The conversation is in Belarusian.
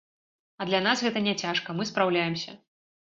А для нас гэта не цяжка, мы спраўляемся.